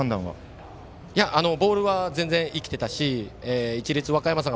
ボールは全然生きていたし市立和歌山さん